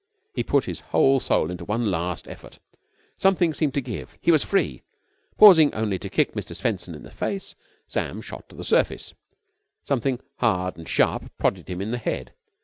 He put his whole soul into one last effort ... something seemed to give ... he was free. Pausing only to try to kick Mr. Swenson in the face Sam shot to the surface. Something hard and sharp prodded him in the head.